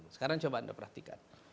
sekarang coba anda perhatikan